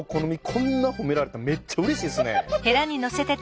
こんな褒められたらめっちゃうれしいですね。